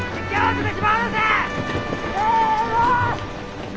せの。